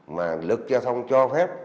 mà lực giao thông cho phép